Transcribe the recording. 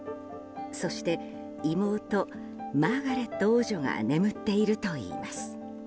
そして、妹マーガレット王女が眠っているといいます。